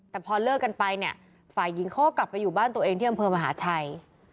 แต่พอเลิกกันไปเนี่ยฝ่ายหญิงเขาก็กลับไปอยู่บ้านตัวเองที่อำเภอมหาชัย